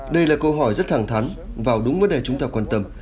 đây là câu hỏi rất thẳng thắn vào đúng vấn đề chúng ta quan tâm